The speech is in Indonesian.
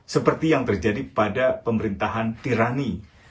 seperti yang terjadi pada pemerintahan tirani